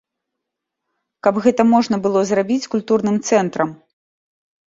Каб гэта можна было зрабіць культурным цэнтрам.